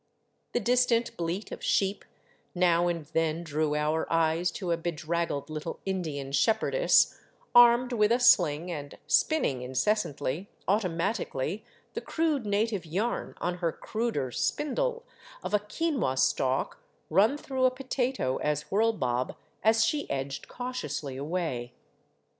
The distant bleat of sheep now and then drew our eyes to a bedraggled little Indian shepherd ess, armed with a sling, and spinning incessantly, automatically, the crude native yarn on her cruder spindle of a quinoa stalk run through a potato as whirlbob, as she edged cautiously away.